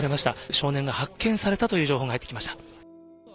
少年が発見されたという情報が入ってきました。